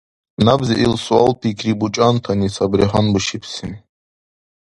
Набзи ил суал-пикри бучӀантани сабри гьанбушибси.